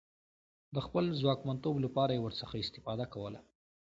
د خپل ځواکمنتوب لپاره یې ورڅخه استفاده کوله.